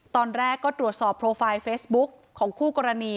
ตอนแรกก็ตรวจสอบโปรไฟล์เฟซบุ๊กของคู่กรณี